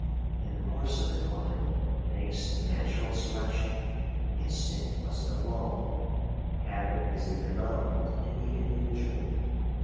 In the course of the climb, thanks to natural selection, instinct was evolved. Habit is a development in the individual.